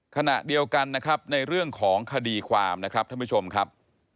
ขณะเดียวกันนะครับในเรื่องของคดีความนะครับท่านผู้ชมครับ